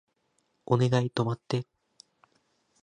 お願い止まって